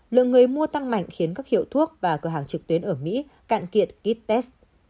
lượng người mua tăng mạnh khiến các hiệu thuốc và cửa hàng trực tuyến ở mỹ cạn kiệt test